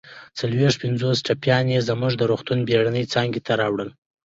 څلويښت پنځوس ټپیان يې زموږ د روغتون بېړنۍ څانګې ته راوړل